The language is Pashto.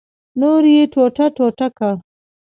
نور یې ټوټه ټوټه کړ.